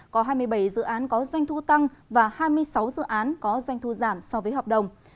có hai mươi bảy dự án có doanh thu tăng và hai mươi sáu dự án có doanh thu giảm so với hợp đồng